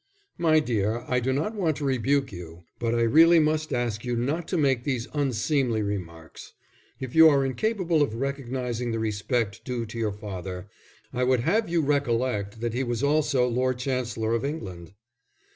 "My dear, I do not want to rebuke you, but I really must ask you not to make these unseemly remarks. If you are incapable of recognizing the respect due to your father, I would have you recollect that he was also Lord Chancellor of England."